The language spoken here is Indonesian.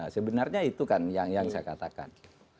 sebenarnya itu kan yang saya katakan